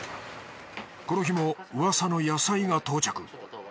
この日も噂の野菜が到着。